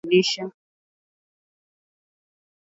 namna ya kusindika unga wa viazi lishe